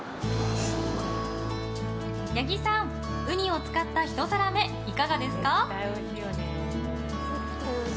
八木さん、ウニを使った１皿目、いかがですか？